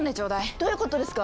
どういうことですか